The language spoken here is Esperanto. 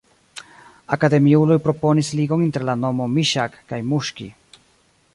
Akademiuloj proponis ligon inter la nomo Miŝak kaj Muŝki.